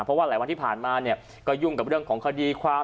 เพราะว่าหลายวันที่ผ่านมาเนี่ยก็ยุ่งกับเรื่องของคดีความ